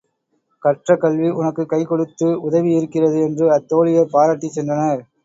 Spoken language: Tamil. கற்ற கல்வி உனக்குக் கை கொடுத்து உதவி இருக்கிறது என்று அத்தோழியர் பாராட்டிச் சென்றனர்.